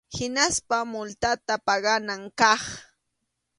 Hinaspa multata paganan kaq.